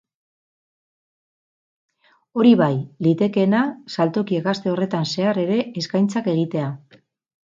Hori bai, litekeena saltokiek aste horretan zehar ere eskaintzak egitea.